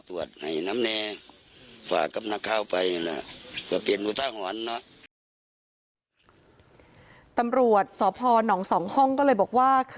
คือแห่งน้ำแน่ฝากกับนักข้าวไปนะก็เปลี่ยนวุฒาหอนเนาะ